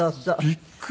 びっくり。